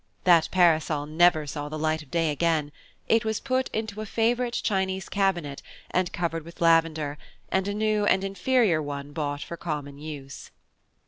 That parasol never saw the light of day again; it was put into a favourite Chinese Cabinet and covered with lavender, and a new and inferior one bought for common use.